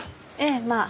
ええまあ。